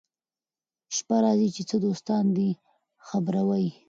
شپه راځي چي څه دوستان دي خبروه يې